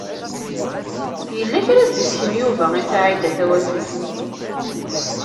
Yella kra i s-d-isken Yuba i Saɛida Tawasift.